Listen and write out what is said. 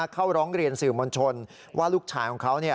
เข้าร้องเรียนสื่อมวลชนว่าลูกชายของเขา